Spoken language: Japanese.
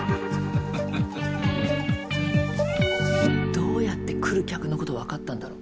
どうやって来る客のことわかったんだろ？